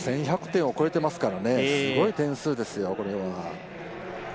１１００点を超えていますから、すごい点数ですよ、これは。